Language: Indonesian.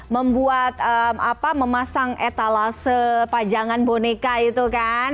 membuat apa memasang etalase pajangan boneka itu kan